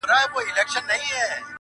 هم د كلي هم بلاوي د بيابان يو٫